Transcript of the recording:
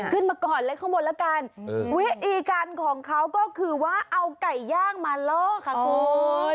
ขึ้นมาก่อนเล็กข้างบนแล้วกันวิธีการของเขาก็คือว่าเอาไก่ย่างมาล่อค่ะคุณ